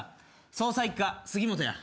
捜査１課杉本や。